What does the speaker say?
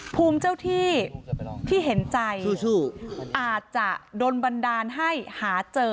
ภูมิเจ้าที่ที่เห็นใจอาจจะโดนบันดาลให้หาเจอ